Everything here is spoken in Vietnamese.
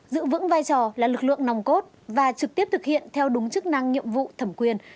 giữ vững vai trò là lực lượng nòng cốt và trực tiếp thực hiện theo đúng chức năng nhiệm vụ thẩm quyền